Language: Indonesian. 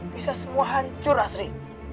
bisa semua hancur asri